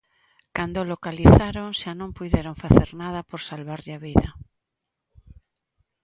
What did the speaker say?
Cando o localizaron xa non puideron facer nada por salvarlle a vida.